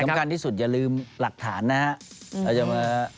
สำคัญที่สุดอย่าลืมหลักฐานนะครับ